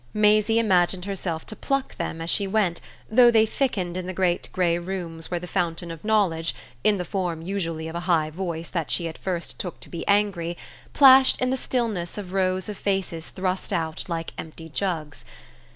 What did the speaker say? Maisie imagined herself to pluck them as she went, though they thickened in the great grey rooms where the fountain of knowledge, in the form usually of a high voice that she took at first to be angry, plashed in the stillness of rows of faces thrust out like empty jugs.